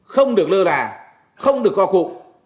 không được lơ là không được co khụ